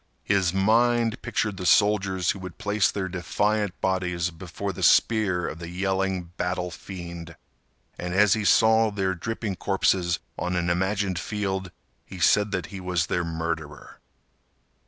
His mind pictured the soldiers who would place their defiant bodies before the spear of the yelling battle fiend, and as he saw their dripping corpses on an imagined field, he said that he was their murderer.